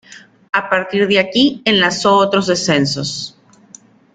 A partir de aquí enlazó otros descensos.